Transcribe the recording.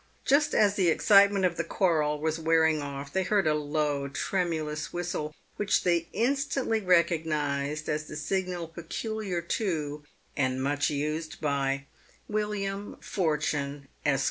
Just as the excitement of the quarrel was wearing off, they heard a low, tremulous whistle, which they in stantly recognised as the signal peculiar to, and much used by, Wil liam Fortune, Esq.